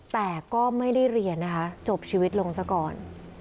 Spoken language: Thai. แต่ก็ไม่ได้เรียนนะคะจบชีวิตลงซะก่อน